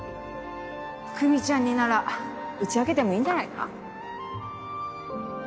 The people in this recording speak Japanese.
久美ちゃんになら打ち明けてもいいんじゃないか？